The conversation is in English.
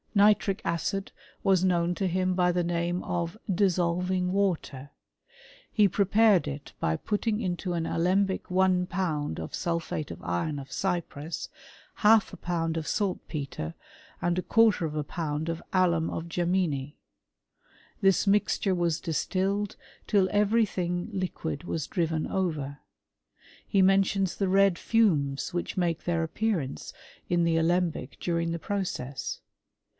Nitric acid was known to him by the name of di$$olving water. He prepared it by putting into an alembic one pound of sulphate of iron of Cyprus, half a pound of saltpetre, and a quarter of a pound of alum oi^Jameni : this mixture was distilled till every thing liquid was driven over. He mentions the red fumes which make their appearance in the alembic during the process.